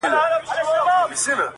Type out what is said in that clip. غوږ یې ونیوی منطق د زورور ته،